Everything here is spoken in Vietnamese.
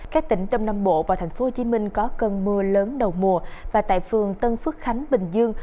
các tỉnh đông nam bộ và tp hcm có cơn mưa lớn đầu mùa và tại phường tân phước khánh bình dương